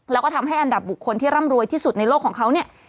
แล้วก็ทำให้อันดับบุคคลที่ร่ำรวยที่สุดในโลกของเขาเนี่ย